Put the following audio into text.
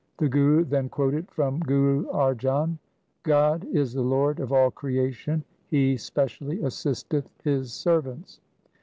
The Guru then quoted from Guru Arjan :— God is the Lord of all creation ; He specially assisteth His servants.